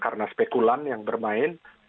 karena spekulan yang bermain